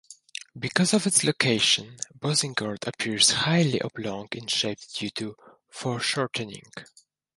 Because of its location, Boussingault appears highly oblong in shape due to foreshortening.